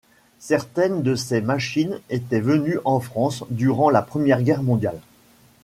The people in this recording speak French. Certaines de ces machines étaient venues en France, durant la Première Guerre mondiale.